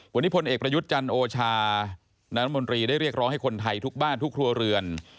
วันนี้พลเอกประยุทธ์จันทร์โอชานายรัฐมนตรีได้เรียกร้องให้คนไทยทุกบ้านทุกครัวเรือน